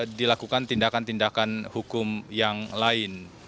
dan dapat dilakukan tindakan tindakan hukum yang lain